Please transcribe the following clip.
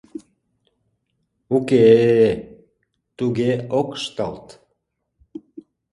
— Уке-э, туге ок ышталт!